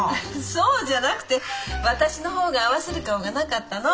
そうじゃなくて私の方が合わせる顔がなかったの。